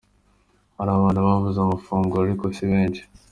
Hari abantu babuze amafunguro ariko si benshi.